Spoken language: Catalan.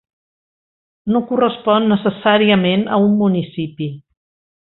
No correspon necessàriament a un "municipi".